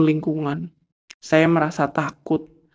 lingkungan saya merasa takut